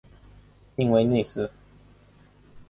印威内斯一般被看作是高地的首府。